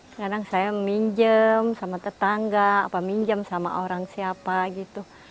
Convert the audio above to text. terkadang saya pinjam sama tetangga pinjam sama orang siapa gitu